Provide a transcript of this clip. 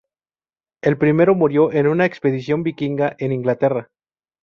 El primero murió en una expedición vikinga en Inglaterra.